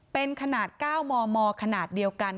เป็นขนาด๙มมขนาดเดียวกัน